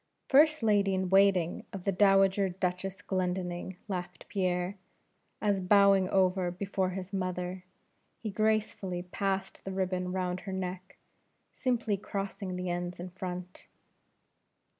"First Lady in waiting to the Dowager Duchess Glendinning," laughed Pierre, as bowing over before his mother, he gracefully passed the ribbon round her neck, simply crossing the ends in front.